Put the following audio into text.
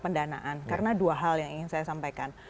pendanaan karena dua hal yang ingin saya sampaikan